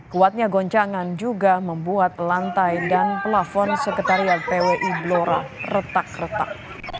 kuatnya goncangan juga membuat lantai dan pelafon sekretariat pwi blora retak retak